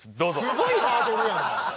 すごいハードルやん。